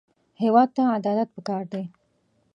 هېواد ته عدالت پکار دی